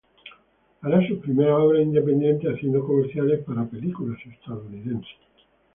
Hará sus primeras obras independientes haciendo comerciales para películas estadounidenses.